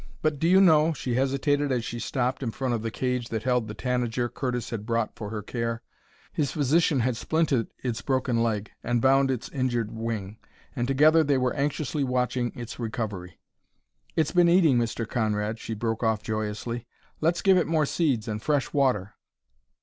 But, do you know " she hesitated as she stopped in front of the cage that held the tanager Curtis had brought for her care. His physician had splinted its broken leg and bound its injured wing, and together they were anxiously watching its recovery. "It's been eating, Mr. Conrad!" she broke off joyously. "Let's give it more seeds and fresh water!"